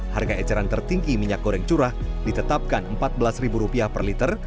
harga eceran tertinggi minyak goreng curah ditetapkan rp empat belas per liter